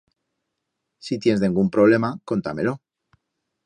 Si tiens dengún problema, conta-me-lo.